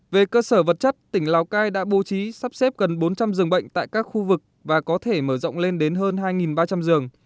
về cơ sở vật chất tỉnh lào cai đã bố trí sắp xếp gần bốn trăm linh giường bệnh tại các khu vực và có thể mở rộng lên đến hơn hai ba trăm linh giường